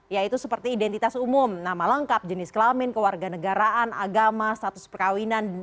yaitu seperti identitas umum nama lengkap jenis kelamin kewarganegaraan agama status perkawinan